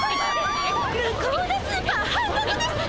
向こうのスーパー半額ですって！